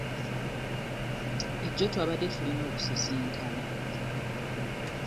Ejjo twabadde tulina okusisinkana.